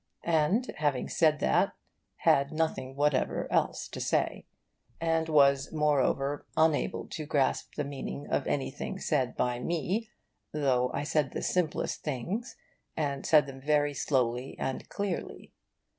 and, having said that, had nothing whatever else to say, and was moreover unable to grasp the meaning of anything said by me, though I said the simplest things, and said them very slowly and clearly.